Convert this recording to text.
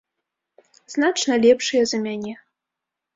Значна лепшыя за мяне.